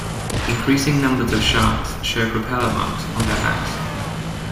Increasing numbers of sharks show propellor marks on their backs.